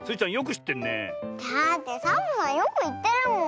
だってサボさんよくいってるもん。